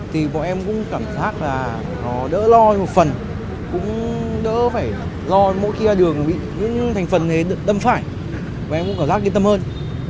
thì bọn em cũng cảm giác là nó đỡ lo một phần cũng đỡ phải do mỗi khi ra đường bị những thành phần đâm phải và em cũng cảm giác yên tâm hơn